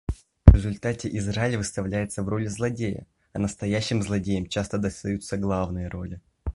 В результате Израиль выставляется в роли злодея, а настоящим злодеям часто достаются главные роли.